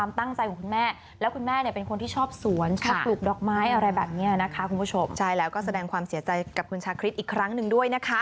ผมเชื่อว่าตัวจิตก็ยังสามารถอยู่ในจิตในใจเราไปได้ตลอด